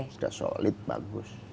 sudah solid bagus